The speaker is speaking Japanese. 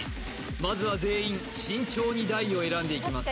まずは全員慎重に台を選んでいきます